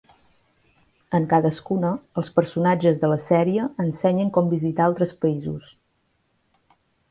En cadascuna, els personatges de la sèrie ensenyen com visitar altres països.